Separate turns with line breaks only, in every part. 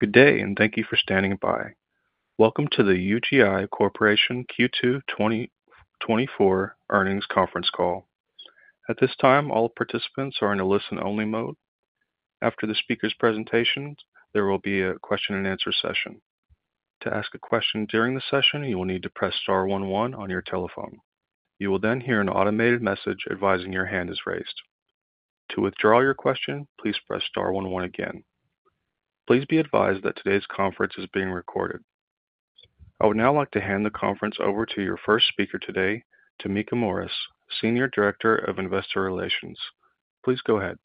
Good day, and thank you for standing by. Welcome to the UGI Corporation Q2 2024 Earnings Conference Call. At this time, all participants are in a listen-only mode. After the speaker's presentations, there will be a question-and-answer session. To ask a question during the session, you will need to press star one one on your telephone. You will then hear an automated message advising your hand is raised. To withdraw your question, please press star one one again. Please be advised that today's conference is being recorded. I would now like to hand the conference over to your first speaker today, Tameka Morris, Senior Director of Investor Relations. Please go ahead.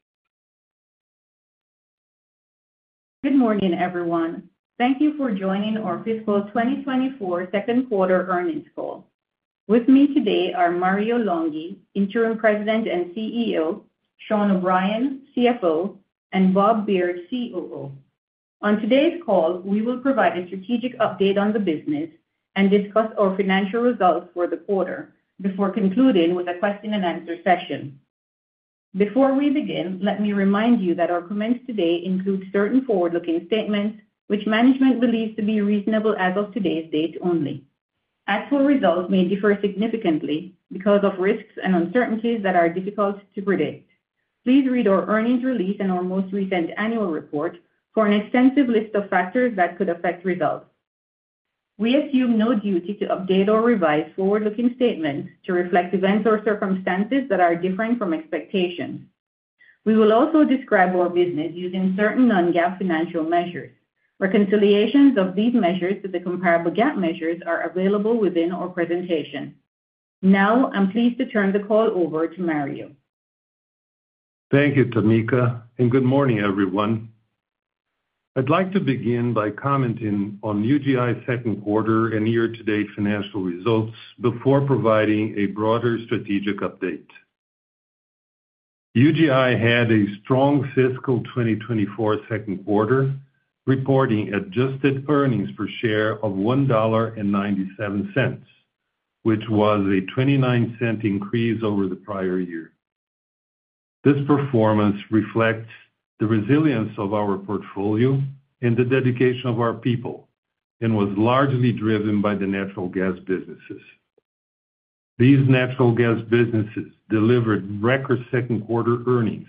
Good morning, everyone. Thank you for joining our Fiscal 2024 Second Quarter Earnings Call. With me today are Mario Longhi, Interim President and CEO, Sean O'Brien, CFO, and Bob Beard, COO. On today's call, we will provide a strategic update on the business and discuss our financial results for the quarter before concluding with a question-and-answer session. Before we begin, let me remind you that our comments today include certain forward-looking statements which management believes to be reasonable as of today's date only. Actual results may differ significantly because of risks and uncertainties that are difficult to predict. Please read our earnings release and our most recent annual report for an extensive list of factors that could affect results. We assume no duty to update or revise forward-looking statements to reflect events or circumstances that are different from expectations. We will also describe our business using certain non-GAAP financial measures. Reconciliations of these measures to the comparable GAAP measures are available within our presentation. Now, I'm pleased to turn the call over to Mario.
Thank you, Tameka, and good morning, everyone. I'd like to begin by commenting on UGI's Second Quarter and year-to-date financial results before providing a broader strategic update. UGI had a strong fiscal 2024 second quarter, reporting adjusted earnings per share of $1.97, which was a $0.29 increase over the prior year. This performance reflects the resilience of our portfolio and the dedication of our people and was largely driven by the natural gas businesses. These natural gas businesses delivered record second quarter earnings,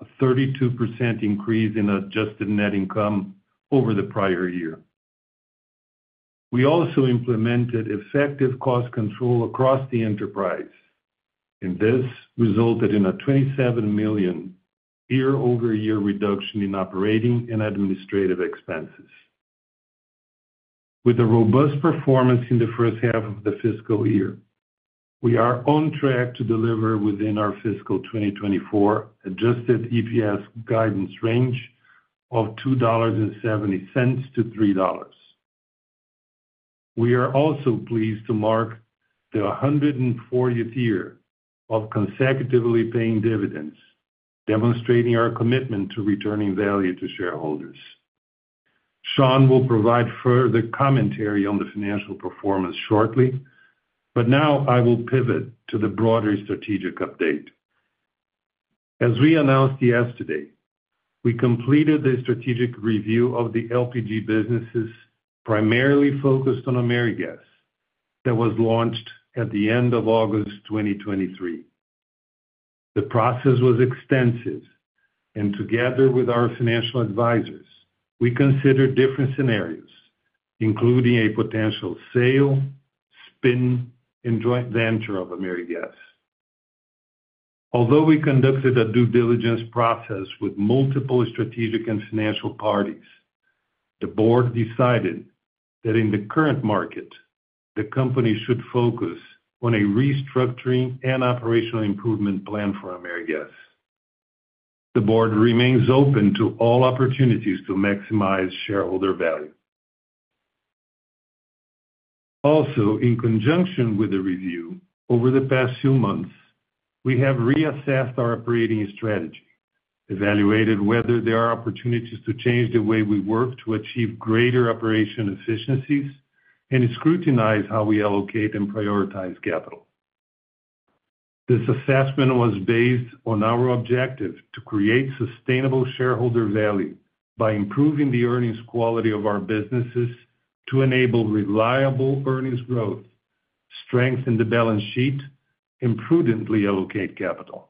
a 32% increase in adjusted net income over the prior year. We also implemented effective cost control across the enterprise, and this resulted in a $27 million year-over-year reduction in operating and administrative expenses. With a robust performance in the first half of the fiscal year, we are on track to deliver within our fiscal 2024 adjusted EPS guidance range of $2.70-$3.00. We are also pleased to mark the 140th year of consecutively paying dividends, demonstrating our commitment to returning value to shareholders. Sean will provide further commentary on the financial performance shortly, but now I will pivot to the broader strategic update. As we announced yesterday, we completed a strategic review of the LPG businesses, primarily focused on AmeriGas, that was launched at the end of August 2023. The process was extensive, and together with our financial advisors, we considered different scenarios, including a potential sale, spin, and joint venture of AmeriGas. Although we conducted a due diligence process with multiple strategic and financial parties, the board decided that in the current market, the company should focus on a restructuring and operational improvement plan for AmeriGas. The board remains open to all opportunities to maximize shareholder value. Also, in conjunction with the review, over the past few months, we have reassessed our operating strategy, evaluated whether there are opportunities to change the way we work to achieve greater operation efficiencies and scrutinize how we allocate and prioritize capital. This assessment was based on our objective to create sustainable shareholder value by improving the earnings quality of our businesses to enable reliable earnings growth, strengthen the balance sheet, and prudently allocate capital.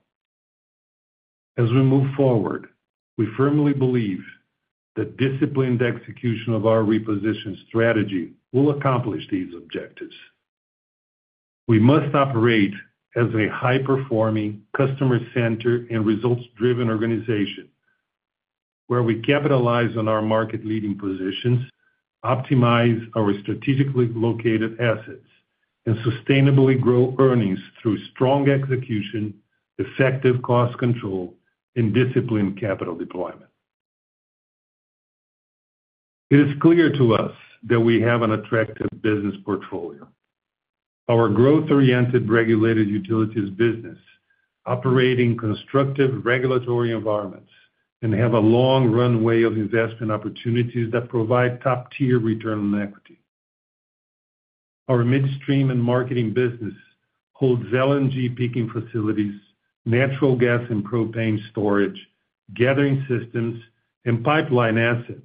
As we move forward, we firmly believe that disciplined execution of our reposition strategy will accomplish these objectives. We must operate as a high-performing, customer-centered, and results-driven organization, where we capitalize on our market-leading positions, optimize our strategically located assets, and sustainably grow earnings through strong execution, effective cost control, and disciplined capital deployment. It is clear to us that we have an attractive business portfolio. Our growth-oriented regulated utilities business operate in constructive regulatory environments and have a long runway of investment opportunities that provide top-tier return on equity. Our midstream and marketing business holds LNG peaking facilities, natural gas and propane storage, gathering systems, and pipeline assets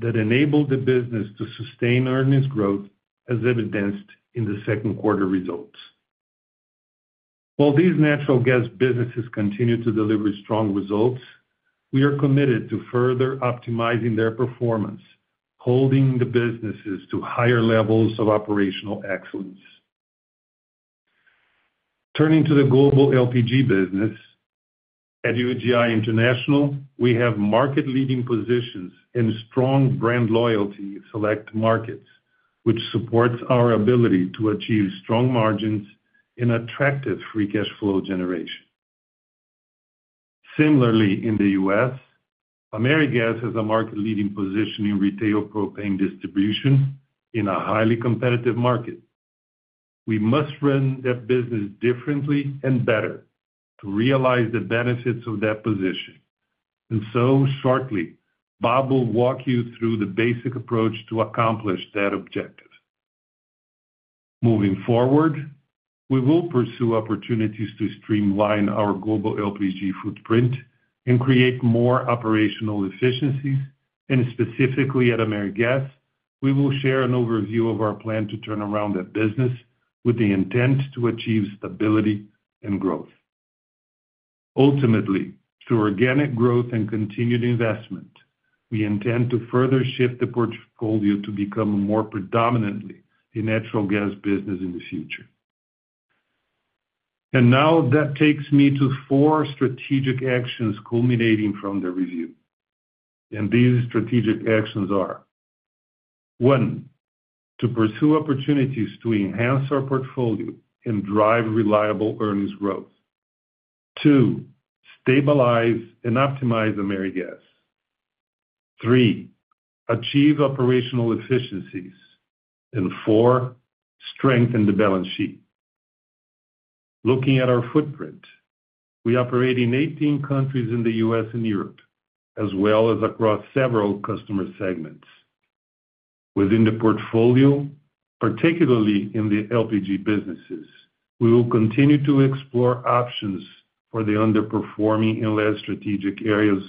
that enable the business to sustain earnings growth, as evidenced in the second quarter results. While these natural gas businesses continue to deliver strong results, we are committed to further optimizing their performance, holding the businesses to higher levels of operational excellence. Turning to the global LPG business, at UGI International, we have market-leading positions and strong brand loyalty in select markets, which supports our ability to achieve strong margins and attractive free cash flow generation. Similarly, in the U.S., AmeriGas has a market-leading position in retail propane distribution in a highly competitive market. We must run that business differently and better to realize the benefits of that position. And so shortly, Bob will walk you through the basic approach to accomplish that objective. Moving forward, we will pursue opportunities to streamline our global LPG footprint and create more operational efficiencies, and specifically at AmeriGas, we will share an overview of our plan to turn around that business with the intent to achieve stability and growth. Ultimately, through organic growth and continued investment, we intend to further shift the portfolio to become more predominantly a natural gas business in the future. Now that takes me to 4 strategic actions culminating from the review. These strategic actions are: 1, to pursue opportunities to enhance our portfolio and drive reliable earnings growth. 2, stabilize and optimize AmeriGas. 3, achieve operational efficiencies. And 4, strengthen the balance sheet. Looking at our footprint, we operate in 18 countries in the U.S. and Europe, as well as across several customer segments. Within the portfolio, particularly in the LPG businesses, we will continue to explore options for the underperforming and less strategic areas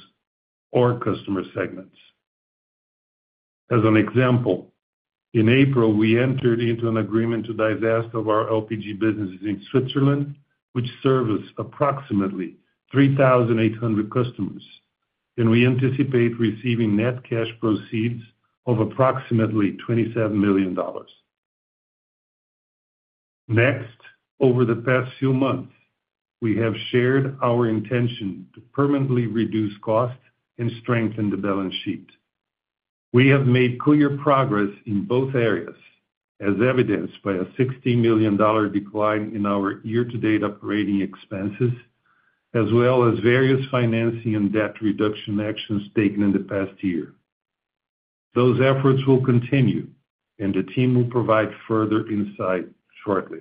or customer segments. As an example, in April, we entered into an agreement to divest of our LPG businesses in Switzerland, which service approximately 3,800 customers, and we anticipate receiving net cash proceeds of approximately $27 million. Next, over the past few months, we have shared our intention to permanently reduce costs and strengthen the balance sheet. We have made clear progress in both areas, as evidenced by a $60 million decline in our year-to-date operating expenses, as well as various financing and debt reduction actions taken in the past year. Those efforts will continue, and the team will provide further insight shortly.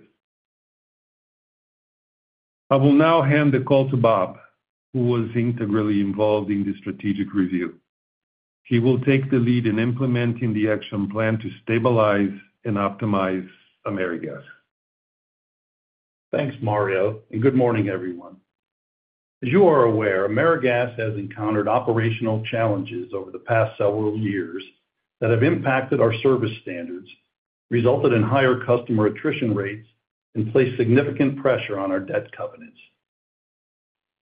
I will now hand the call to Bob, who was integrally involved in the strategic review. He will take the lead in implementing the action plan to stabilize and optimize AmeriGas.
Thanks, Mario, and good morning, everyone. As you are aware, AmeriGas has encountered operational challenges over the past several years that have impacted our service standards, resulted in higher customer attrition rates, and placed significant pressure on our debt covenants.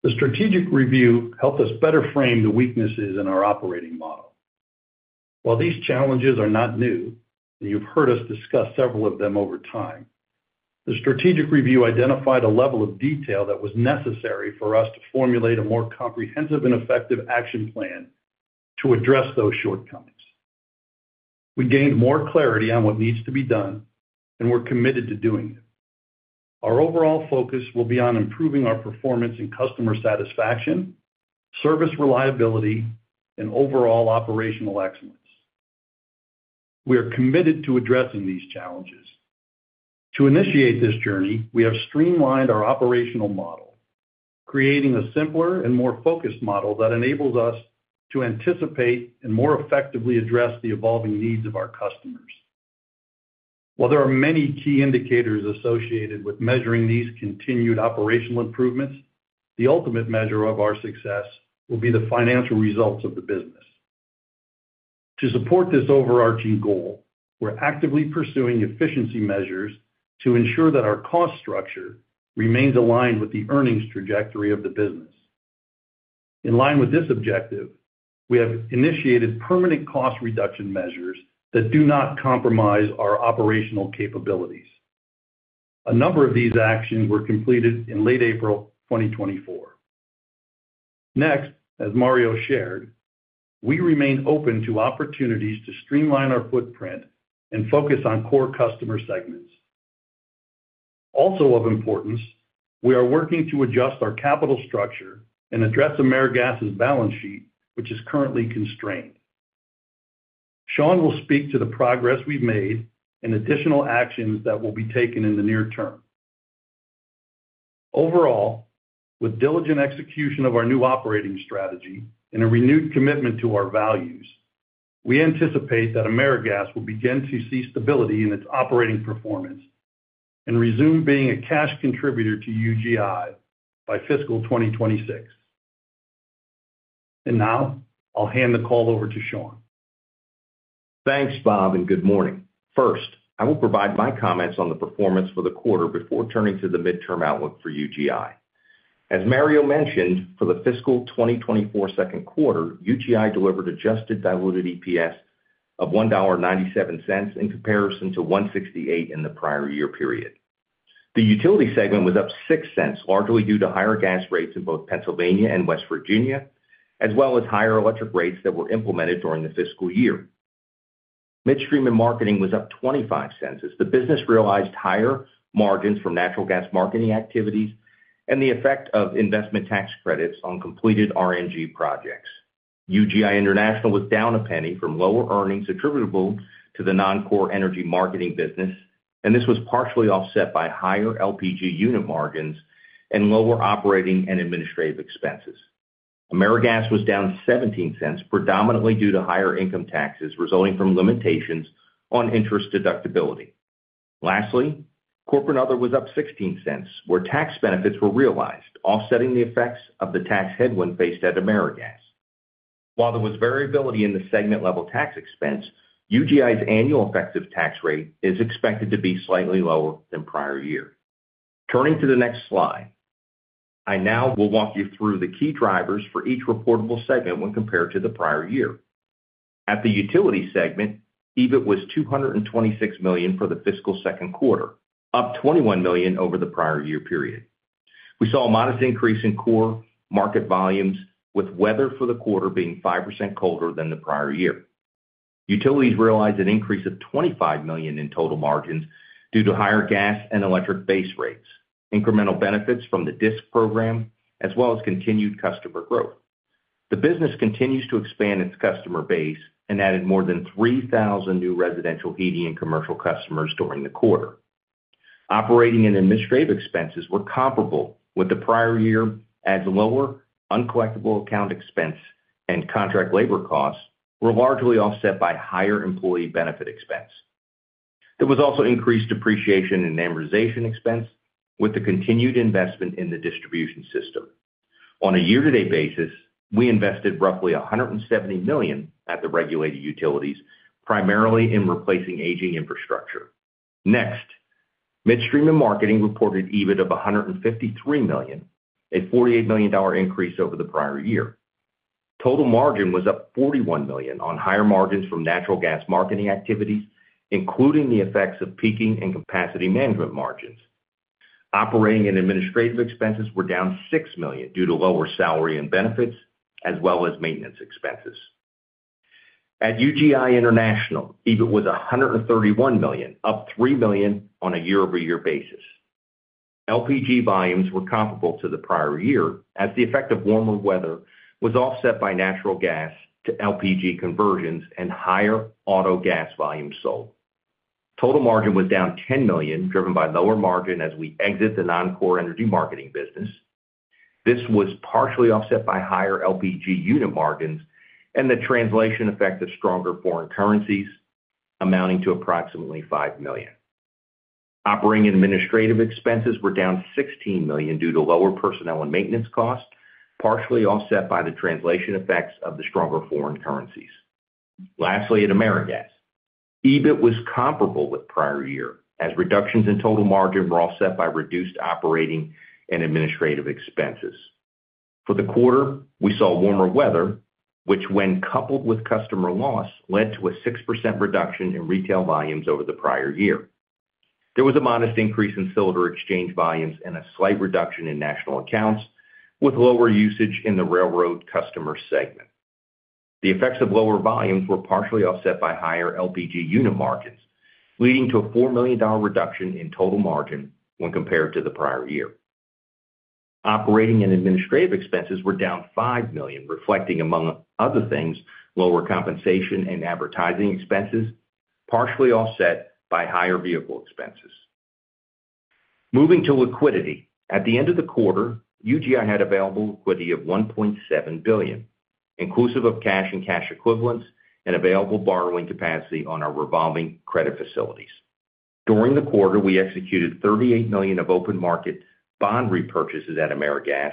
The strategic review helped us better frame the weaknesses in our operating model. While these challenges are not new, and you've heard us discuss several of them over time, the strategic review identified a level of detail that was necessary for us to formulate a more comprehensive and effective action plan to address those shortcomings. We gained more clarity on what needs to be done, and we're committed to doing it. Our overall focus will be on improving our performance and customer satisfaction, service reliability, and overall operational excellence. We are committed to addressing these challenges. To initiate this journey, we have streamlined our operational model, creating a simpler and more focused model that enables us to anticipate and more effectively address the evolving needs of our customers. While there are many key indicators associated with measuring these continued operational improvements, the ultimate measure of our success will be the financial results of the business. To support this overarching goal, we're actively pursuing efficiency measures to ensure that our cost structure remains aligned with the earnings trajectory of the business. In line with this objective, we have initiated permanent cost reduction measures that do not compromise our operational capabilities. A number of these actions were completed in late April 2024. Next, as Mario shared, we remain open to opportunities to streamline our footprint and focus on core customer segments. Also of importance, we are working to adjust our capital structure and address AmeriGas's balance sheet, which is currently constrained. Sean will speak to the progress we've made and additional actions that will be taken in the near term. Overall, with diligent execution of our new operating strategy and a renewed commitment to our values, we anticipate that AmeriGas will begin to see stability in its operating performance and resume being a cash contributor to UGI by fiscal 2026. Now, I'll hand the call over to Sean.
Thanks, Bob, and good morning. First, I will provide my comments on the performance for the quarter before turning to the midterm outlook for UGI. As Mario mentioned, for the fiscal 2024 second quarter, UGI delivered adjusted diluted EPS of $1.97 in comparison to $1.68 in the prior year period. The utility segment was up $0.06, largely due to higher gas rates in both Pennsylvania and West Virginia, as well as higher electric rates that were implemented during the fiscal year. Midstream and Marketing was up $0.25, as the business realized higher margins from natural gas marketing activities and the effect of investment tax credits on completed RNG projects. UGI International was down $0.01 from lower earnings attributable to the non-core energy marketing business, and this was partially offset by higher LPG unit margins and lower operating and administrative expenses. AmeriGas was down $0.17, predominantly due to higher income taxes resulting from limitations on interest deductibility. Lastly, Corporate and other was up $0.16, where tax benefits were realized, offsetting the effects of the tax headwind faced at AmeriGas. While there was variability in the segment-level tax expense, UGI's annual effective tax rate is expected to be slightly lower than prior year. Turning to the next slide, I now will walk you through the key drivers for each reportable segment when compared to the prior year. At the utility segment, EBIT was $226 million for the fiscal second quarter, up $21 million over the prior year period. We saw a modest increase in core market volumes, with weather for the quarter being 5% colder than the prior year. Utilities realized an increase of $25 million in total margins due to higher gas and electric base rates, incremental benefits from the DSIC program, as well as continued customer growth. The business continues to expand its customer base and added more than 3,000 new residential, heating, and commercial customers during the quarter. Operating and administrative expenses were comparable with the prior year, as lower uncollectible account expense and contract labor costs were largely offset by higher employee benefit expense. There was also increased depreciation and amortization expense with the continued investment in the distribution system. On a year-to-date basis, we invested roughly $170 million at the regulated utilities, primarily in replacing aging infrastructure. Next, Midstream and Marketing reported EBIT of $153 million, a $48 million increase over the prior year. Total margin was up $41 million on higher margins from natural gas marketing activities, including the effects of peaking and capacity management margins. Operating and administrative expenses were down $6 million due to lower salary and benefits, as well as maintenance expenses. At UGI International, EBIT was $131 million, up $3 million on a year-over-year basis. LPG volumes were comparable to the prior year, as the effect of warmer weather was offset by natural gas to LPG conversions and higher Autogas volumes sold. Total margin was down $10 million, driven by lower margin as we exit the non-core energy marketing business. This was partially offset by higher LPG unit margins and the translation effect of stronger foreign currencies, amounting to approximately $5 million. Operating and administrative expenses were down $16 million due to lower personnel and maintenance costs, partially offset by the translation effects of the stronger foreign currencies. Lastly, at AmeriGas, EBIT was comparable with prior year, as reductions in total margin were offset by reduced operating and administrative expenses. For the quarter, we saw warmer weather, which, when coupled with customer loss, led to a 6% reduction in retail volumes over the prior year. There was a modest increase in cylinder exchange volumes and a slight reduction in national accounts, with lower usage in the railroad customer segment. The effects of lower volumes were partially offset by higher LPG unit margins, leading to a $4 million reduction in total margin when compared to the prior year. Operating and administrative expenses were down $5 million, reflecting, among other things, lower compensation and advertising expenses, partially offset by higher vehicle expenses. Moving to liquidity. At the end of the quarter, UGI had available liquidity of $1.7 billion, inclusive of cash and cash equivalents and available borrowing capacity on our revolving credit facilities. During the quarter, we executed $38 million of open market bond repurchases at AmeriGas,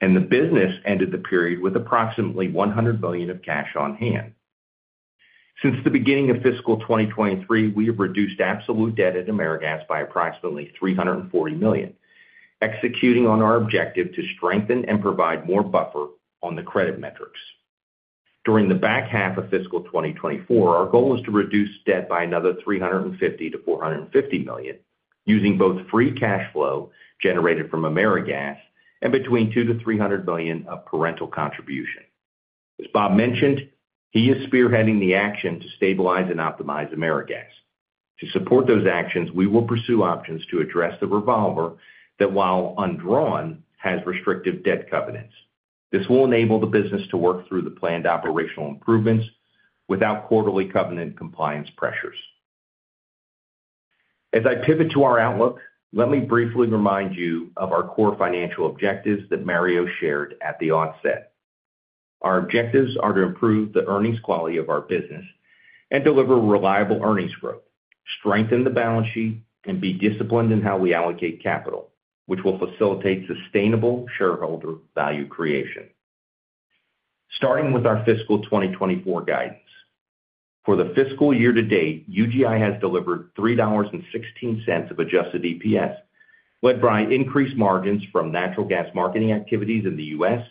and the business ended the period with approximately $100 million of cash on hand. Since the beginning of fiscal 2023, we have reduced absolute debt at AmeriGas by approximately $340 million, executing on our objective to strengthen and provide more buffer on the credit metrics. During the back half of fiscal 2024, our goal is to reduce debt by another $350 million-$450 million, using both free cash flow generated from AmeriGas and between $200 million-$300 million of parental contribution. As Bob mentioned, he is spearheading the action to stabilize and optimize AmeriGas. To support those actions, we will pursue options to address the revolver that, while undrawn, has restrictive debt covenants. This will enable the business to work through the planned operational improvements without quarterly covenant compliance pressures. As I pivot to our outlook, let me briefly remind you of our core financial objectives that Mario shared at the onset. Our objectives are to improve the earnings quality of our business and deliver reliable earnings growth, strengthen the balance sheet, and be disciplined in how we allocate capital, which will facilitate sustainable shareholder value creation. Starting with our fiscal 2024 guidance. For the fiscal year-to-date, UGI has delivered $3.16 of adjusted EPS, led by increased margins from natural gas marketing activities in the U.S.,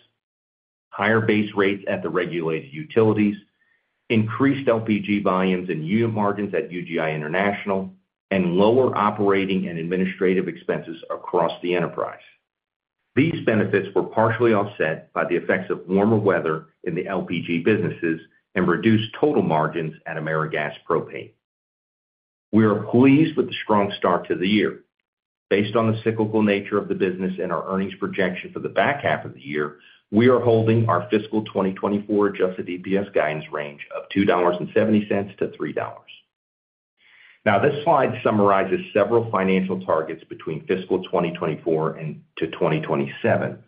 higher base rates at the regulated utilities, increased LPG volumes and unit margins at UGI International, and lower operating and administrative expenses across the enterprise. These benefits were partially offset by the effects of warmer weather in the LPG businesses and reduced total margins at AmeriGas Propane. We are pleased with the strong start to the year. Based on the cyclical nature of the business and our earnings projection for the back half of the year, we are holding our fiscal 2024 adjusted EPS guidance range of $2.70-$3.00. Now, this slide summarizes several financial targets between fiscal 2024 and to 2027.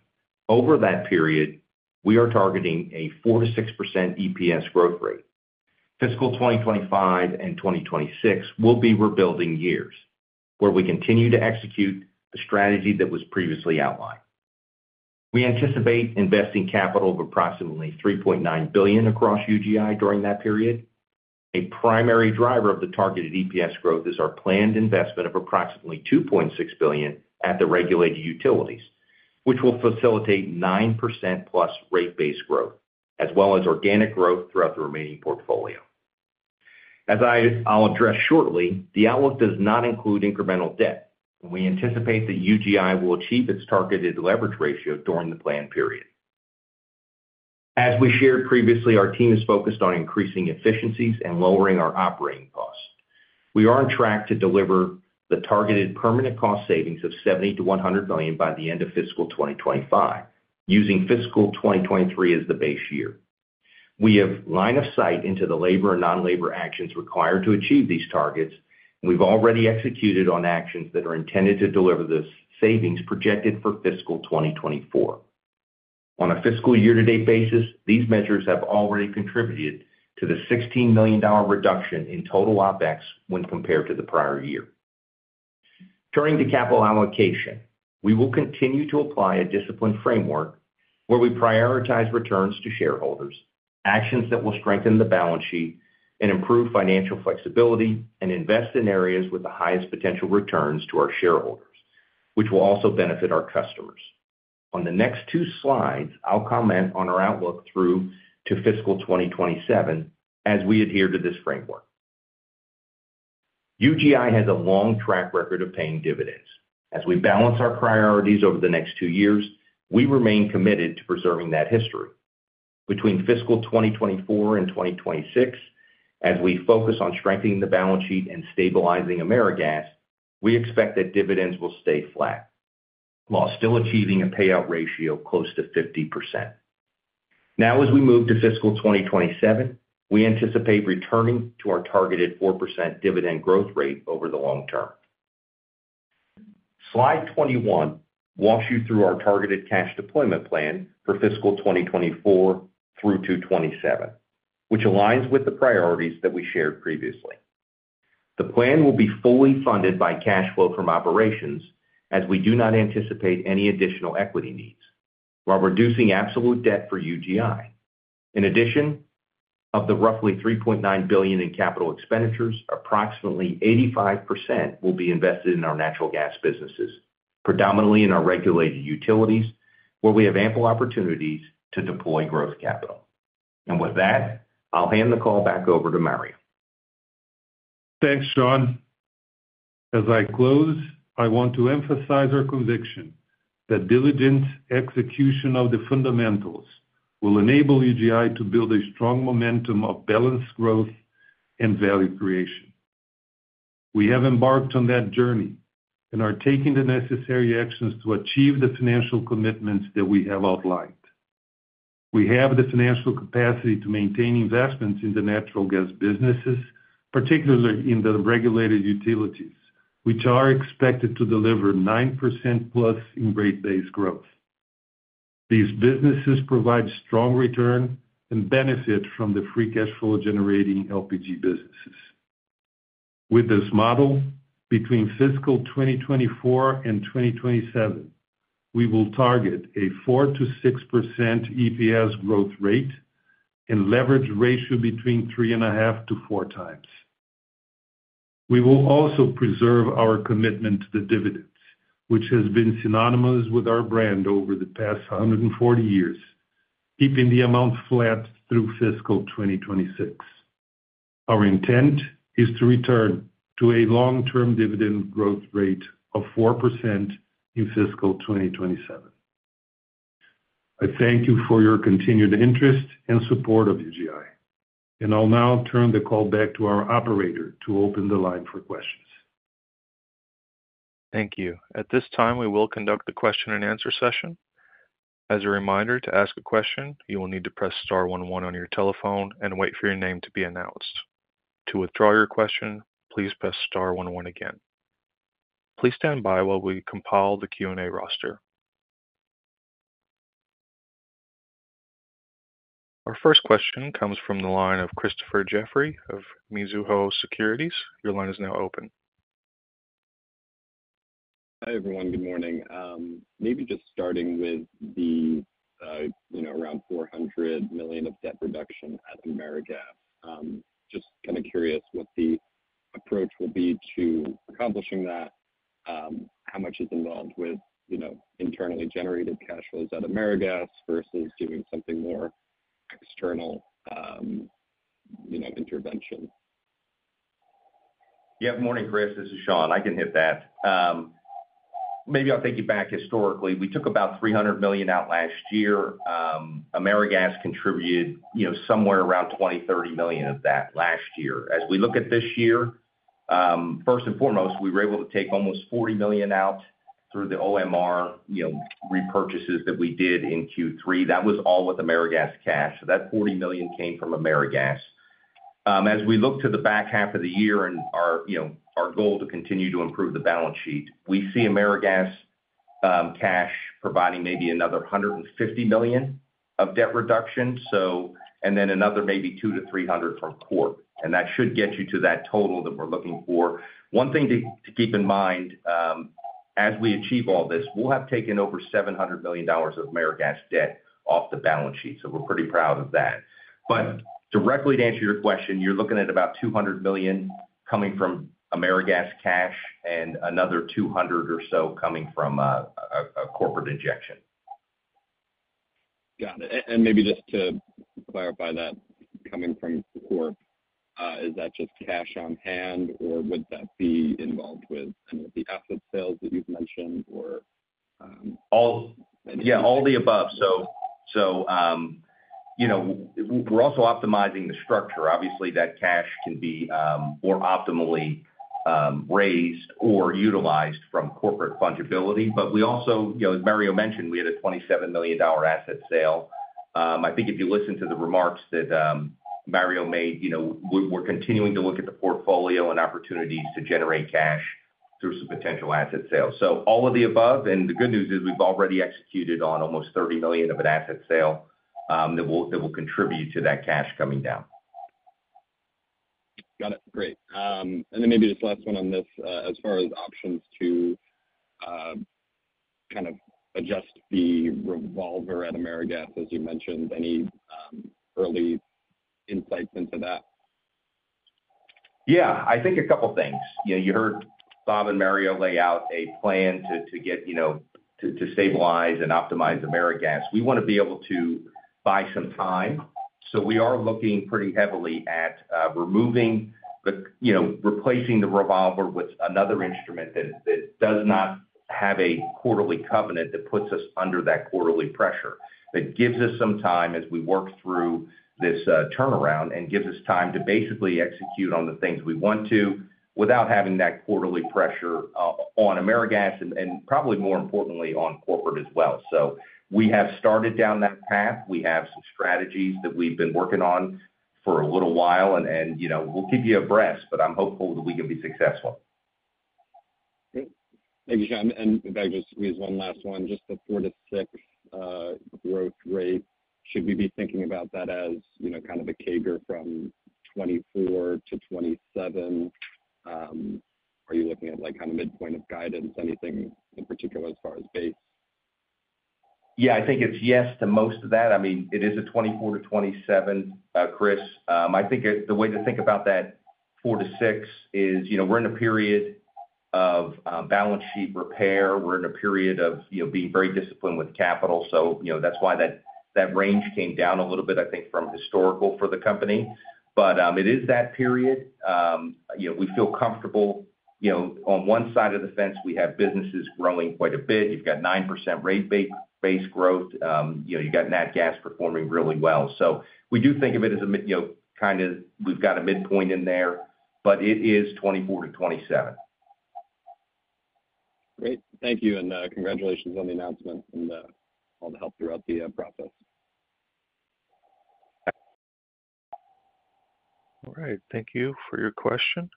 Over that period, we are targeting a 4%-6% EPS growth rate. Fiscal 2025 and 2026 will be rebuilding years, where we continue to execute the strategy that was previously outlined. We anticipate investing capital of approximately $3.9 billion across UGI during that period. A primary driver of the targeted EPS growth is our planned investment of approximately $2.6 billion at the regulated utilities, which will facilitate 9%+ rate base growth, as well as organic growth throughout the remaining portfolio. As I'll address shortly, the outlook does not include incremental debt, and we anticipate that UGI will achieve its targeted leverage ratio during the planned period. As we shared previously, our team is focused on increasing efficiencies and lowering our operating costs. We are on track to deliver the targeted permanent cost savings of $70 million-$100 million by the end of fiscal 2025, using fiscal 2023 as the base year. We have line of sight into the labor and non-labor actions required to achieve these targets, and we've already executed on actions that are intended to deliver the savings projected for fiscal 2024. On a fiscal year-to-date basis, these measures have already contributed to the $16 million reduction in total OpEx when compared to the prior year. Turning to capital allocation, we will continue to apply a disciplined framework where we prioritize returns to shareholders, actions that will strengthen the balance sheet and improve financial flexibility, and invest in areas with the highest potential returns to our shareholders, which will also benefit our customers. On the next 2 slides, I'll comment on our outlook through to fiscal 2027 as we adhere to this framework. UGI has a long track record of paying dividends. As we balance our priorities over the next 2 years, we remain committed to preserving that history. Between fiscal 2024 and 2026, as we focus on strengthening the balance sheet and stabilizing AmeriGas, we expect that dividends will stay flat, while still achieving a payout ratio close to 50%. Now, as we move to fiscal 2027, we anticipate returning to our targeted 4% dividend growth rate over the long term. Slide 21 walks you through our targeted cash deployment plan for fiscal 2024 through to 2027, which aligns with the priorities that we shared previously. The plan will be fully funded by cash flow from operations, as we do not anticipate any additional equity needs, while reducing absolute debt for UGI. In addition, of the roughly $3.9 billion in capital expenditures, approximately 85% will be invested in our natural gas businesses, predominantly in our regulated utilities, where we have ample opportunities to deploy growth capital. And with that, I'll hand the call back over to Mario.
Thanks, Sean. As I close, I want to emphasize our conviction that diligent execution of the fundamentals will enable UGI to build a strong momentum of balanced growth and value creation. We have embarked on that journey and are taking the necessary actions to achieve the financial commitments that we have outlined. We have the financial capacity to maintain investments in the natural gas businesses, particularly in the regulated utilities, which are expected to deliver 9%+ in rate base growth. These businesses provide strong return and benefit from the free cash flow-generating LPG businesses. With this model, between fiscal 2024 and 2027, we will target a 4%-6% EPS growth rate and leverage ratio between 3.5-4 times. We will also preserve our commitment to the dividends, which has been synonymous with our brand over the past 140 years, keeping the amount flat through fiscal 2026. Our intent is to return to a long-term dividend growth rate of 4% in fiscal 2027. I thank you for your continued interest and support of UGI, and I'll now turn the call back to our operator to open the line for questions.
Thank you. At this time, we will conduct the question and answer session. As a reminder, to ask a question, you will need to press star one one on your telephone and wait for your name to be announced. To withdraw your question, please press star one one again. Please stand by while we compile the Q&A roster. Our first question comes from the line of Christopher Jeffrey of Mizuho Securities. Your line is now open.
Hi, everyone. Good morning. Maybe just starting with the, you know, around $400 million of debt reduction at AmeriGas. Just kind of curious what the approach will be to accomplishing that. How much is involved with, you know, internally generated cash flows at AmeriGas versus doing something more external, you know, intervention?
Yeah. Morning, Chris, this is Sean. I can hit that. Maybe I'll take you back historically. We took about $300 million out last year. AmeriGas contributed, you know, somewhere around $20 million-$30 million of that last year. As we look at this year, first and foremost, we were able to take almost $40 million out through the OMR, you know, repurchases that we did in Q3. That was all with AmeriGas cash. So that $40 million came from AmeriGas. As we look to the back half of the year and our, you know, our goal to continue to improve the balance sheet, we see AmeriGas cash providing maybe another $150 million of debt reduction, so, and then another maybe $200-$300 from corp, and that should get you to that total that we're looking for. One thing to keep in mind, as we achieve all this, we'll have taken over $700 million of AmeriGas debt off the balance sheet, so we're pretty proud of that. But directly to answer your question, you're looking at about $200 million coming from AmeriGas cash and another $200 or so coming from a corporate injection.
Got it. And maybe just to clarify that coming from corp, is that just cash on hand, or would that be involved with some of the asset sales that you've mentioned, or?
All. Yeah, all the above. So, you know, we're also optimizing the structure. Obviously, that cash can be more optimally raised or utilized from corporate fungibility. But we also, you know, as Mario mentioned, we had a $27 million asset sale. I think if you listen to the remarks that Mario made, you know, we're continuing to look at the portfolio and opportunities to generate cash through some potential asset sales. So all of the above, and the good news is we've already executed on almost $30 million of an asset sale, that will contribute to that cash coming down.
Got it. Great. And then maybe this last one on this, as far as options to kind of adjust the revolver at AmeriGas, as you mentioned, any early insights into that?
Yeah, I think a couple things. You know, you heard Bob and Mario lay out a plan to get, you know, to stabilize and optimize AmeriGas. We want to be able to buy some time, so we are looking pretty heavily at, you know, replacing the revolver with another instrument that does not have a quarterly covenant that puts us under that quarterly pressure. That gives us some time as we work through this turnaround and gives us time to basically execute on the things we want to, without having that quarterly pressure on AmeriGas and probably more importantly, on corporate as well. So we have started down that path. We have some strategies that we've been working on for a little while, and you know, we'll keep you abreast, but I'm hopeful that we can be successful.
Great. Thank you, Sean, and if I could just squeeze one last one. Just the 4-6 growth rate, should we be thinking about that as, you know, kind of a CAGR from 2024 to 2027? Are you looking at, like, kind of midpoint of guidance, anything in particular as far as base?
Yeah, I think it's yes to most of that. I mean, it is a 24-27, Chris. I think the way to think about that 4-6 is, you know, we're in a period of balance sheet repair. We're in a period of, you know, being very disciplined with capital. So, you know, that's why that, that range came down a little bit, I think, from historical for the company. But, it is that period. You know, we feel comfortable. You know, on one side of the fence, we have businesses growing quite a bit. You've got 9% rate base growth. You know, you've got nat gas performing really well. So we do think of it as a mid, you know, kind of we've got a midpoint in there, but it is 24-27.
Great. Thank you, and congratulations on the announcement and all the help throughout the process.
All right, thank you for your question.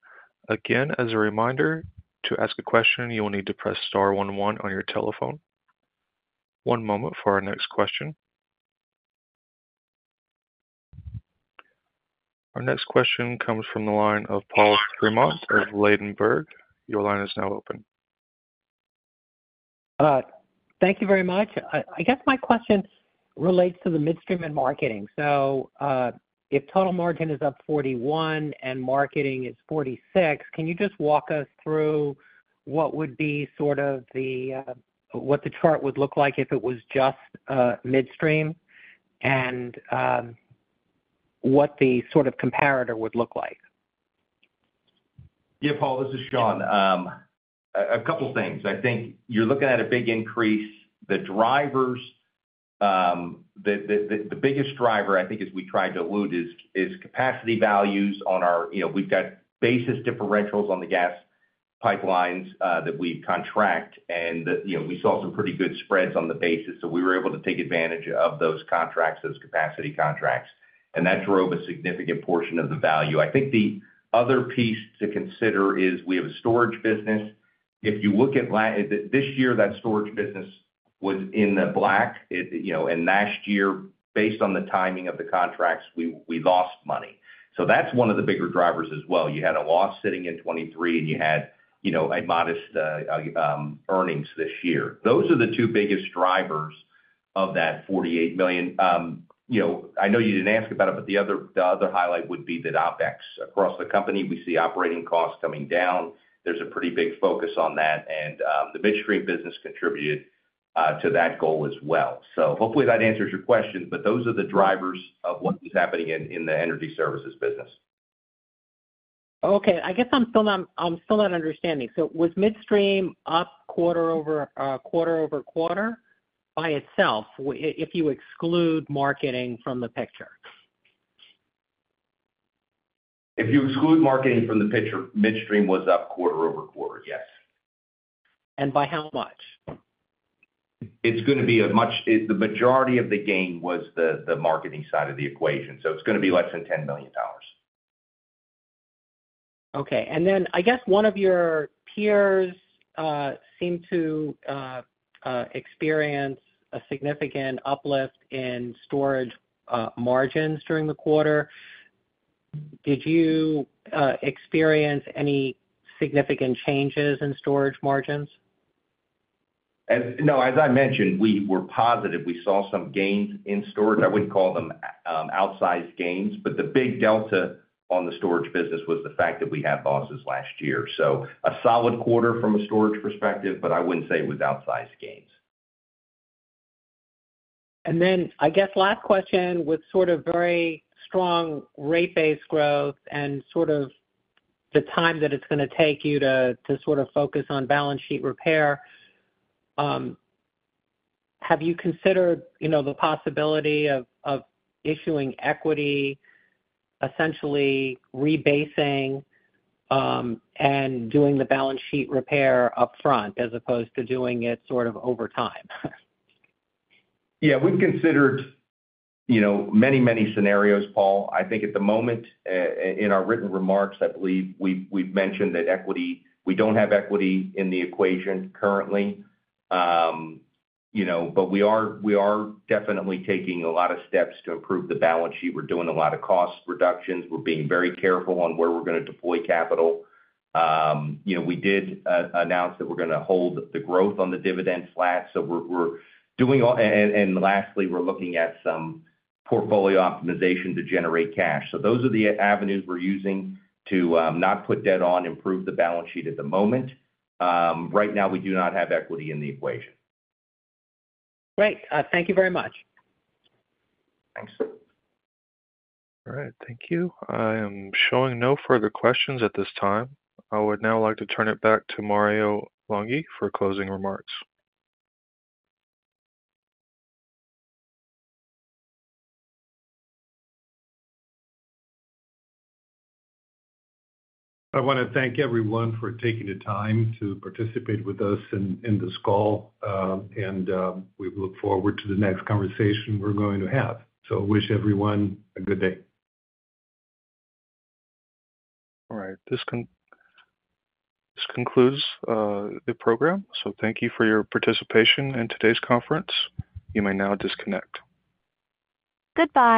Again, as a reminder, to ask a question, you will need to press star one one on your telephone. One moment for our next question. Our next question comes from the line of Paul Fremont of Ladenburg. Your line is now open.
Thank you very much. I guess my question relates to the Midstream and Marketing. So, if total margin is up 41 and marketing is 46, can you just walk us through what would be sort of the... What the chart would look like if it was just midstream and what the sort of comparator would look like?
Yeah, Paul, this is Sean. A couple things. I think you're looking at a big increase, the drivers. The biggest driver, I think, as we tried to allude, is capacity values on our, you know, we've got basis differentials on the gas pipelines that we contract, and, you know, we saw some pretty good spreads on the basis. So we were able to take advantage of those contracts, those capacity contracts, and that drove a significant portion of the value. I think the other piece to consider is we have a storage business. If you look at this year, that storage business was in the black, it, you know, and last year, based on the timing of the contracts, we lost money. So that's one of the bigger drivers as well. You had a loss sitting in 2023, and you had, you know, a modest earnings this year. Those are the two biggest drivers of that $48 million. You know, I know you didn't ask about it, but the other highlight would be that OpEx. Across the company, we see operating costs coming down. There's a pretty big focus on that, and the midstream business contributed to that goal as well. So hopefully that answers your question, but those are the drivers of what is happening in the energy services business.
Okay, I guess I'm still not, I'm still not understanding. So was midstream up quarter-over-quarter by itself, if you exclude marketing from the picture?
If you exclude marketing from the picture, Midstream was up quarter-over-quarter, yes.
By how much?
It's gonna be a much. The majority of the gain was the marketing side of the equation, so it's gonna be less than $10 million.
Okay. And then I guess one of your peers seemed to experience a significant uplift in storage margins during the quarter. Did you experience any significant changes in storage margins?
As I mentioned, we were positive. We saw some gains in storage. I wouldn't call them outsized gains, but the big delta on the storage business was the fact that we had losses last year. So a solid quarter from a storage perspective, but I wouldn't say it was outsized gains.
Then, I guess, last question: with sort of very strong rate base growth and sort of the time that it's gonna take you to sort of focus on balance sheet repair, have you considered, you know, the possibility of issuing equity, essentially rebasing, and doing the balance sheet repair upfront as opposed to doing it sort of over time?
Yeah, we've considered, you know, many, many scenarios, Paul. I think at the moment, in our written remarks, I believe we've, we've mentioned that equity—we don't have equity in the equation currently. You know, but we are, we are definitely taking a lot of steps to improve the balance sheet. We're doing a lot of cost reductions. We're being very careful on where we're gonna deploy capital. You know, we did announce that we're gonna hold the growth on the dividend flat, so we're, we're doing. And lastly, we're looking at some portfolio optimization to generate cash. So those are the avenues we're using to not put debt on, improve the balance sheet at the moment. Right now, we do not have equity in the equation.
Great. Thank you very much.
Thanks.
All right. Thank you. I am showing no further questions at this time. I would now like to turn it back to Mario Longhi for closing remarks.
I wanna thank everyone for taking the time to participate with us in this call, and we look forward to the next conversation we're going to have. So wish everyone a good day.
All right. This concludes the program. So thank you for your participation in today's conference. You may now disconnect.
Goodbye.